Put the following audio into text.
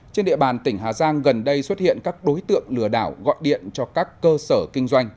trên địa bàn tỉnh hà giang gần đây xuất hiện các đối tượng lừa đảo gọi điện cho các cơ sở kinh doanh